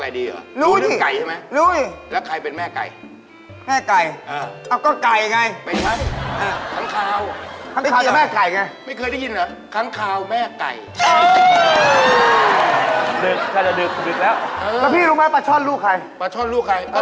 และสินค้านี้เสียบัญษีถูกต้องหรือเปล่า